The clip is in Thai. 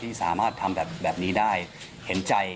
ที่สามารถทำแบบนี้ได้เห็นใจ